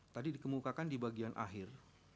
tadi dikemukakan di bagian akhir